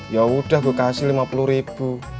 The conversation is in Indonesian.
yaudah gue kasih lima puluh ribu